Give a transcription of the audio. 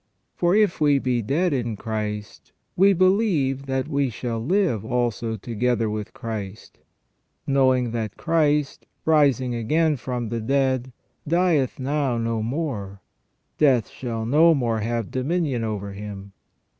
For if we be dead in Christ, we believe that we shall live also together with Christ. Knowing that Christ, rising again from the dead, dieth now no more, death shall no more have dominion over Him.